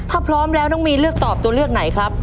ถ้าพร้อมแล้วน้องมีนเลือกตอบตัวเลือกไหนครับ